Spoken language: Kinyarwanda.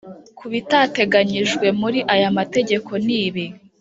Ku bitateganyijwe muri aya amategeko nibi